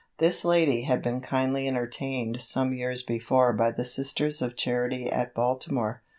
This lady had been kindly entertained some years before by the Sisters of Charity at Baltimore.